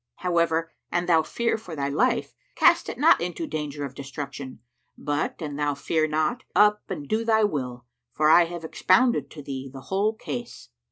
However an thou fear for thy life, cast it not into danger of destruction; but, an thou fear not, up and do thy will, for I have expounded to thee the whole case.